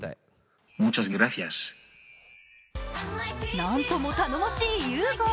なんとも頼もしいｕｇｏ。